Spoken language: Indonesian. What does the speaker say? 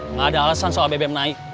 nggak ada alasan soal bbm naik